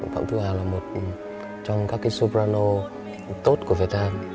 phạm thu hà là một trong các cái soprano tốt của việt nam